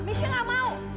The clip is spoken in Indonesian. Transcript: mesya enggak mau